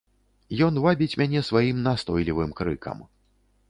Ён вабіць мяне сваім настойлівым крыкам.